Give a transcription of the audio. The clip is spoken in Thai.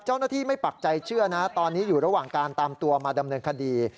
เจ้าหน้าที่ไม่ปักใจเชื่อนะตอนนี้อยู่ระหว่างการตามตัวมาดำเนินคดี